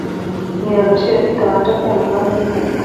kugira agaciro kitabanje kwemerwa n Inteko